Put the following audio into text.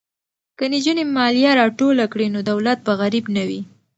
که نجونې مالیه راټوله کړي نو دولت به غریب نه وي.